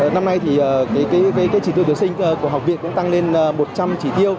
năm nay thì chỉ tiêu tuyển sinh của học viện cũng tăng lên một trăm linh chỉ tiêu